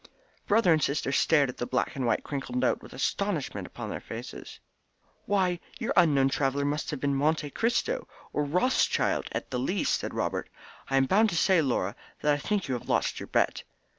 Brother and sister stared at the black and white crinkled note with astonishment upon their faces. "Why, your unknown traveller must have been Monte Cristo, or Rothschild at the least!" said Robert. "I am bound to say, Laura, that I think you have lost your bet."